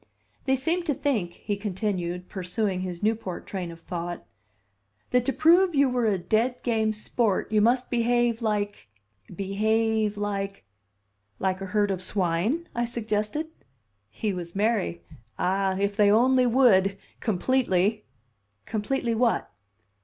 "They seemed to think," he continued, pursuing his Newport train of thought, "that to prove you were a dead game sport you must behave like behave like " "Like a herd of swine," I suggested. He was merry. "Ah, if they only would completely!" "Completely what?"